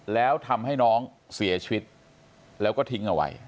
แล้วทำให้น้องเสียชีวิตแล้วก็ทิ้งเอาไว้